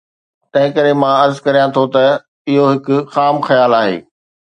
تنهن ڪري، مان عرض ڪريان ٿو ته اهو هڪ خام خيال آهي.